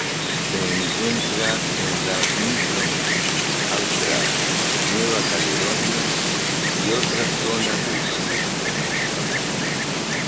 Se encuentra en la Micronesia, Australia, Nueva Caledonia y otras zonas del Pacífico central.